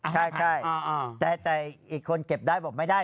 ใช่แต่อีกคนเก็บได้บอกไม่ได้